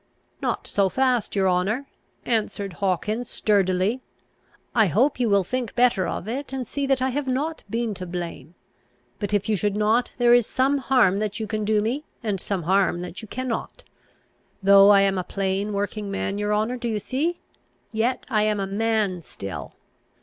"Not so fast, your honour," answered Hawkins, sturdily. "I hope you will think better of it, and see that I have not been to blame. But if you should not, there is some harm that you can do me, and some harm that you cannot. Though I am a plain, working man, your honour, do you see? yet I am a man still.